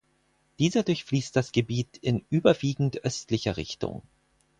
Dieser durchfließt das Gebiet in überwiegend östlicher Richtung.